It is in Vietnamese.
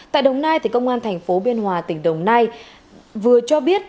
tại đồng nai công an thành phố biên hòa tỉnh đồng nai vừa cho biết